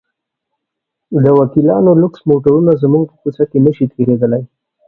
د وکیلانو لوکس موټرونه زموږ په کوڅه کې نه شي تېرېدلی.